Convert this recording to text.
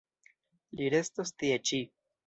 Li restos tie ĉi.